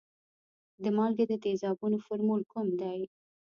د مالګې د تیزابونو فورمول کوم دی؟